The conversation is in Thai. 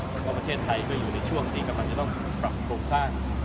เพราะประเทศไทยอยู่ในช่วงที่กำลังต้องปรับปรุงท่าน